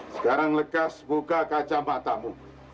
sekarang lekas buka kacamata mu